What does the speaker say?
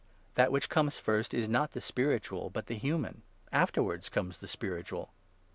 That which comes first is not the spiritual, but the human ; afterwards comes the spiritual ; s.